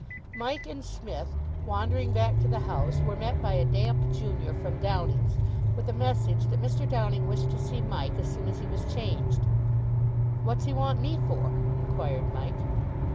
Mike and Psmith, wandering back to the house, were met by a damp junior from Downing's, with a message that Mr. Downing wished to see Mike as soon as he was changed. "What's he want me for?" inquired Mike.